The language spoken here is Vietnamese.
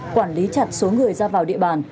quản lý chặt số người ra vào địa bàn